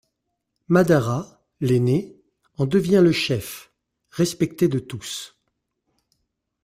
Madara, l'aîné, en devient le chef, respecté de tous.